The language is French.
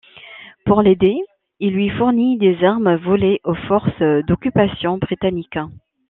Pour l'aider, il lui fournit des armes volées aux forces d'occupation britanniques.